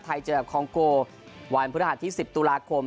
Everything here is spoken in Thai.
เจอกับคองโกวันพฤหัสที่๑๐ตุลาคม